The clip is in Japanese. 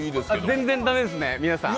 全然だめですね、皆さん。